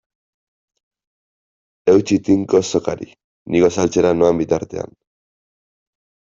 Eutsi tinko sokari ni gosaltzera noan bitartean.